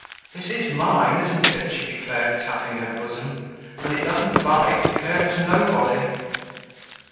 "This is mine, isn't it?" she declared, tapping her bosom. "And it doesn't bite; it hurts nobody!"